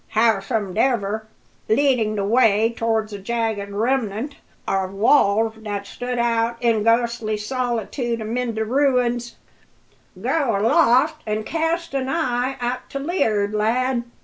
Howsomedever," leading the way towards a jagged remnant of wall that stood out in ghostly solitude amid the ruins, "go aloft an' cast an eye out to lee'ard, lad."